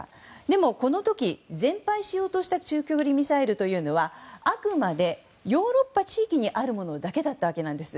でもこの時、全廃しようとした中距離ミサイルはあくまで、ヨーロッパ地域にあるものだけだったんです。